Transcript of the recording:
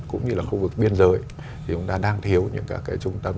cũng như là khu vực biên giới thì chúng ta đang thiếu những các cái trung tâm